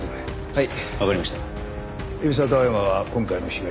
はい。